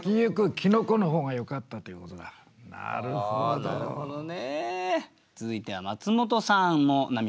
おおなるほどね。